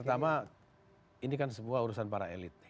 pertama ini kan semua urusan para elit